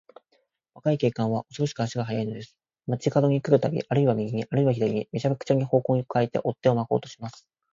若い警官は、おそろしく足が早いのです。町かどに来るたび、あるいは右に、あるいは左に、めちゃくちゃに方角をかえて、追っ手をまこうとします。